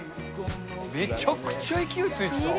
めちゃくちゃ勢いついてた。